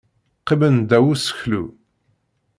Qqimen ddaw useklu.